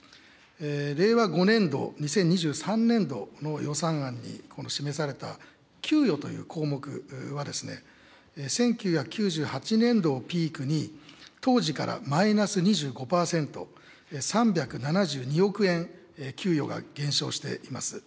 令和５年度・２０２３年度の予算案に示された給与という項目は、１９９８年度をピークに、当時からマイナス２５％、３７２億円、給与が減少しています。